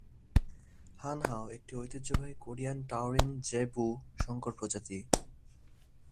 হান-ইউ একটি ঐতিহ্যবাহী কোরিয়ান টাউরিন-জেবু সংকর প্রজাতি।